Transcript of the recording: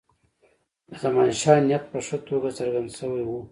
د زمانشاه نیت په ښه توګه څرګند شوی وو.